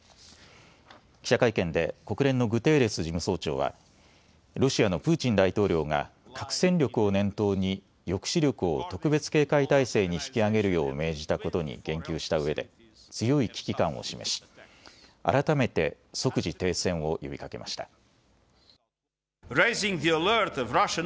記者会見で国連のグテーレス事務総長はロシアのプーチン大統領が核戦力を念頭に抑止力を特別警戒態勢に引き上げるよう命じたことに言及したうえで強い危機感を示し改めて即時停戦を呼びかけました。